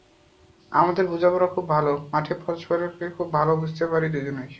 আমাদের বোঝাপড়া খুব ভালো, মাঠে পরস্পরকে খুব ভালো বুঝতে পারি দুজনই।